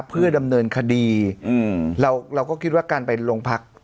เพื่อดำเนินคดีเราก็คิดว่าการไปโรงพัก